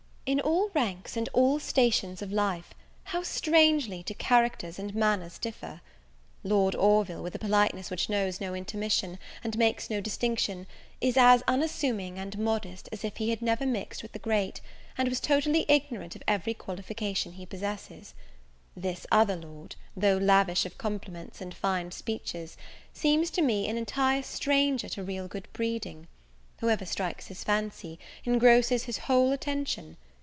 In all ranks and all stations of life, how strangely do characters and manners differ! Lord Orville, with a politeness which knows no intermission, and makes no distinction, is as unassuming and modest as if he had never mixed with the great, and was totally ignorant of every qualification he possesses; this other lord, though lavish of compliments and fine speeches, seems to me an entire stranger to real good breeding; whoever strikes his fancy, engrosses his whole attention.